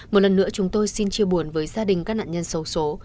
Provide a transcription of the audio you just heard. một lần nữa chúng tôi xin chia buồn với gia đình các nạn nhân sâu số